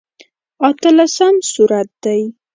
اتلسم سورت دی.